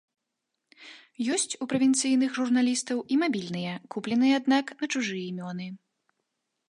Ёсць у правінцыйных журналістаў і мабільныя, купленыя аднак на чужыя імёны.